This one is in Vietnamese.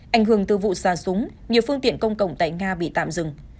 ảnh hưởng từ vụ xa súng nhiều phương tiện công cộng tại nga bị tạm dừng